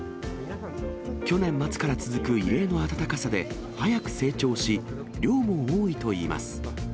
去年末から続く異例の暖かさで、早く成長し、量も多いといいます。